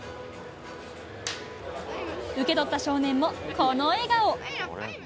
受け取った少年もこの笑顔。